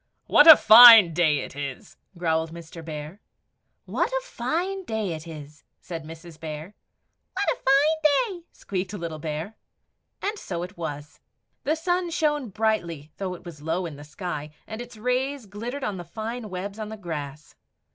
"WHAT A FINE DAY IT IS!" growled Mr. Bear. "WHAT A FINE DAY IT IS!" said Mrs. Bear. "What a fine day!" squeaked little Bear. And so it was. The sun shone brightly though it was low in the sky, and its rays glittered on the fine webs on the grass.